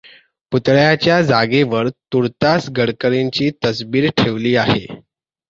पुतळ्याच्या जागेवर तूर्तास गडकरींची तसबीर ठेवली आहे.